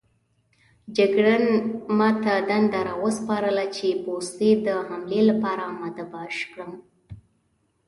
جګړن ما ته دنده راوسپارله چې پوستې د حملې لپاره اماده باش کړم.